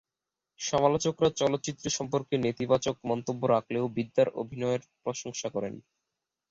সমালোচকরা চলচ্চিত্রে সম্পর্কে নেতিবাচক মন্তব্য রাখলেও বিদ্যার অভিনয়ের প্রশংসা করেন।